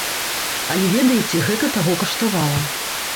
Але, ведаеце, гэта таго каштавала.